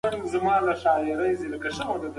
که ناروغ پوښتنه وکړو نو ثواب نه ضایع کیږي.